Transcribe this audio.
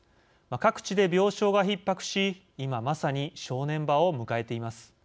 各地で病床がひっ迫し今まさに正念場を迎えています。